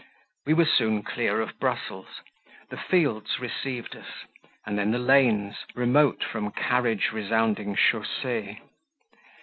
We were soon clear of Brussels; the fields received us, and then the lanes, remote from carriage resounding CHAUSSEES.